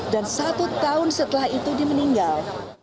dan satu tahun setelah itu dia meninggal